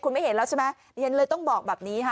คุณไม่เห็นแล้วใช่ไหมเรียนเลยต้องบอกแบบนี้ค่ะ